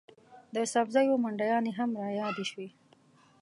د سبزیو منډیانې هم رایادې شوې.